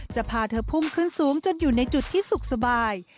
จะพาเธอพุ่งขึ้นสูงจนอยู่ในจุดที่สุขสบาย